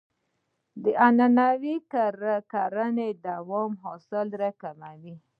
د عنعنوي کرنې دوام حاصل کموي.